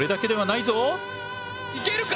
いけるか！？